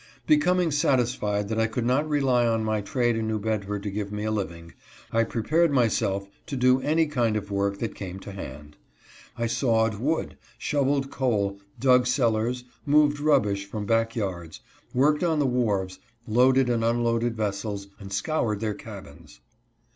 Becoming satisfied that I could not rely on my trade in New Bedford to give me a living, I prepared myself to do any kind of work that came to hand. I sawed wood, shoveled coal, dug cellars, moved rubbish from back yards, worked on the wharves, loaded and unloaded ves sels, and scoured their cabins.